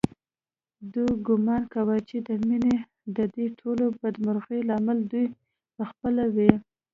دوی ګومان کاوه چې د مينې ددې ټولو بدمرغیو لامل دوی په خپله و